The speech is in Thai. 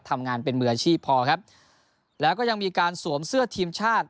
ทำงานเป็นมืออาชีพพอครับแล้วก็ยังมีการสวมเสื้อทีมชาติ